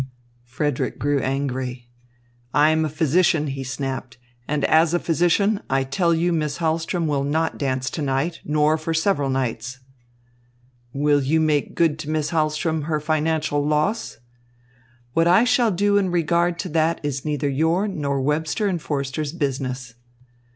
Frederick grew angry. "I am a physician," he snapped, "and as a physician, I tell you Miss Hahlström will not dance to night, nor for several nights." "Will you make good to Miss Hahlström her financial loss?" "What I shall do in regard to that is neither your nor Webster and Forster's business."